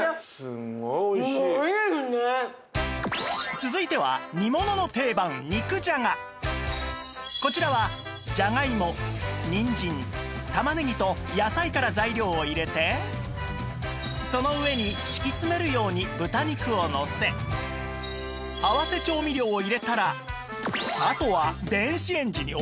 続いてはこちらはじゃがいもにんじん玉ねぎと野菜から材料を入れてその上に敷き詰めるように豚肉をのせ合わせ調味料を入れたらあとは